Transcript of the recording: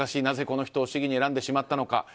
なぜ、この人を市議に選んでしまったのか。